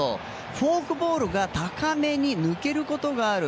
フォークボールが抜けることがあると。